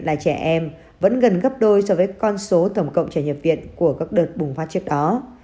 là trẻ em vẫn gần gấp đôi so với con số tổng cộng trẻ nhập viện của các đợt bùng phát trước đó